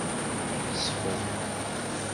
Sfel.